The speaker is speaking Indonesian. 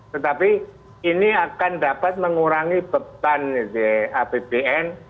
tetapi ini akan dapat mengurangi beban apbn